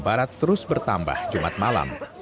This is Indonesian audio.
barat terus bertambah jumat malam